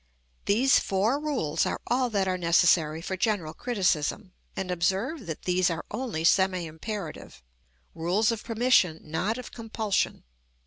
These four rules are all that are necessary for general criticism; and observe that these are only semi imperative, rules of permission, not of compulsion.